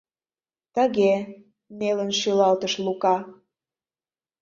— Тыге, — нелын шӱлалтыш Лука.